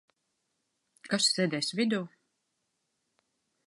Kas sēdēs vidū?